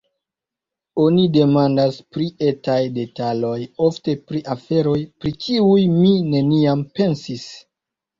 Oni demandas pri etaj detaloj, ofte pri aferoj, pri kiuj mi neniam pensis.